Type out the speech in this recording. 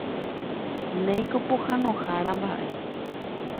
Ndéiko pohãnohára mba'e.